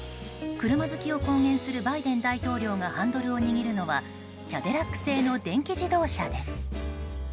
車好きを公言するバイデン大統領がハンドルを握るのはキャデラック製の電気自動車です。